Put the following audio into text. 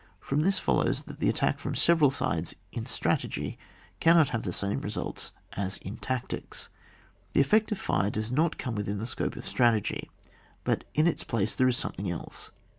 From tbis follows that the attack from several sides in strategy cannot have the same results as in tactics. The effect of fire does not come within the scope of strategy; but in its place there is something else.